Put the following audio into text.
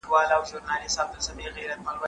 زه به سبا کتابتوننۍ سره وخت تېره کړم